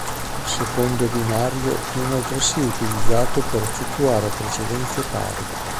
Il secondo binario viene altresì utilizzato per effettuare precedenze pari.